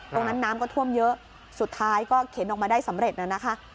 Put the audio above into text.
น้ำก็ท่วมเยอะสุดท้ายก็เข็นออกมาได้สำเร็จน่ะนะคะ